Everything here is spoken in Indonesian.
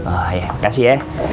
oh ya kasih ya